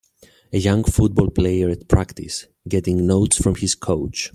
A young football player at practice, getting notes from his coach.